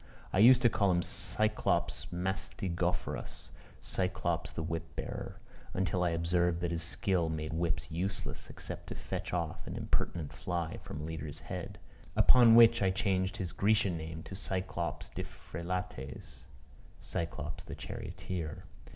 I used to call him Cyclops mastigophorus, Cyclops the whip bearer, until I observed that his skill made whips useless, except to fetch off an impertinent fly from a leader's head; upon which I changed his Grecian name to Cyclops diphrélates (Cyclops the charioteer.)